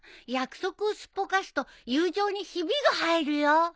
約束をすっぽかすと友情にひびが入るよ。